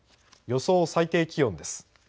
予想最低気温です。